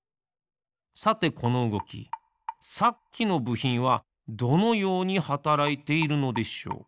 さてこのうごきさっきのぶひんはどのようにはたらいているのでしょう？